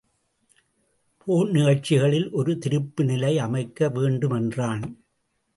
போர் நிகழ்ச்சிகளில் ஒரு திருப்பு நிலை அமைக்க வேண்டும் என்றான்.